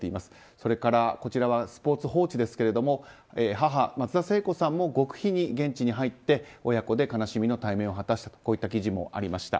それから、スポーツ報知ですが母・松田聖子さんも極秘に現地に入って親子で悲しみの対面を果たしたとこういった記事もありました。